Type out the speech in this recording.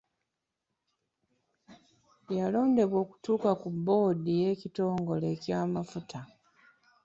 Yalondebwa okutuula ku bboodi y’ekitongole ky’amafuta.